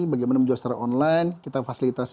bagaimana menjual secara online kita fasilitasi